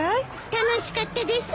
楽しかったです。